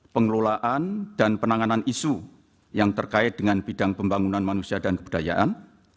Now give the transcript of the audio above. pengelolaan dan penanganan isu yang terkait dengan bidang pembangunan manusia dan kebudayaan